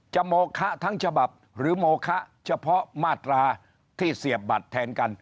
โมคะทั้งฉบับหรือโมคะเฉพาะมาตราที่เสียบบัตรแทนกัน